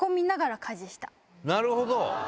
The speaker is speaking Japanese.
なるほど！